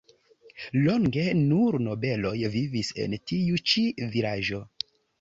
Longe nur nobeloj vivis en tiu ĉi vilaĝo.